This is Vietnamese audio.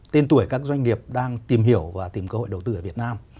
tên tuổi các doanh nghiệp đang tìm hiểu và tìm cơ hội đầu tư ở việt nam